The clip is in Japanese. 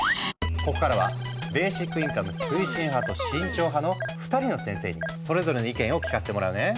ここからはベーシックインカム推進派と慎重派の２人の先生にそれぞれの意見を聞かせてもらうね。